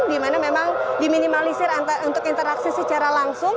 di mana memang diminimalisir untuk interaksi secara langsung